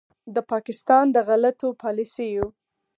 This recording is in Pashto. د پاکستان د غلطو پالیسیو